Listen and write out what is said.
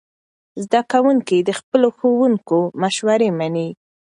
زده کوونکي د خپلو ښوونکو مشورې مني.